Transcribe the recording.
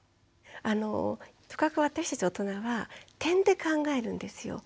とかく私たち大人は点で考えるんですよ。